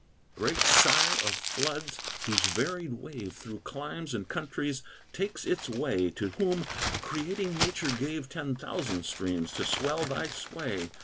Great Sire of floods! whose varied wave Through climes and countries takes its way, To whom creating Nature gave Ten thousand streams to swell thy sway!